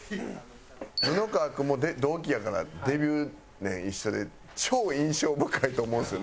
布川君も同期やからデビュー年一緒で超印象深いと思うんですよ